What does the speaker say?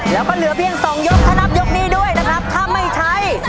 แล้วก็เหลือเพียง๒ยกถ้านับยกนี้ด้วยนะครับถ้าไม่ใช้